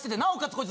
こいつ